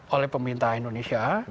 oleh pemerintah indonesia